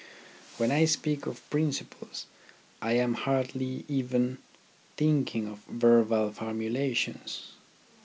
When I speak of principles I am hardly even thinking of verbal formulations.